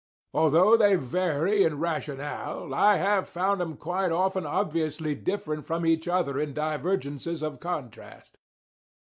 Although they vary in rationale, I have found 'em quite often obviously differing from each other in divergences of contrast."